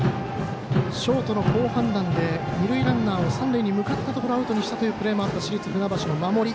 ショートの好判断で二塁ランナーを三塁に向かったところをアウトにしたというプレーもあった市立船橋の守り。